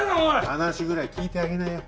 話ぐらい聞いてあげなよ。